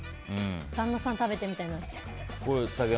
旦那さん、食べてってなっちゃう。